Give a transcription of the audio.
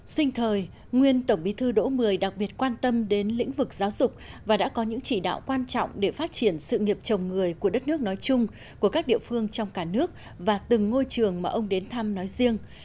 sinh thời nguyên tổng bí thư đỗ mười đặc biệt quan tâm đến lĩnh vực giáo dục và đã có những chỉ đạo quan trọng để phát triển sự nghiệp chồng người của đất nước nói chung của các địa phương trong cả nước và từng ngôi trường mà ông đến thăm nói riêng